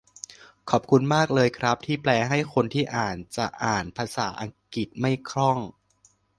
ขอบคุณมากเลยครับที่แปลให้คนที่อาจจะอ่านภาษาอังกฤษไม่คล่อง